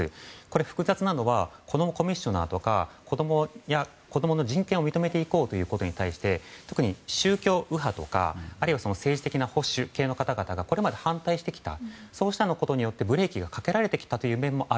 複雑なのは子供コミッショナーとか子供の人権を認めることに関して特に宗教右派とかあるいは政治系の保守系な方々がこれまで反対してきたことによってブレーキが掛けられてきたという面もある。